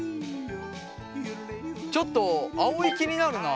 ちょっとあおい気になるな。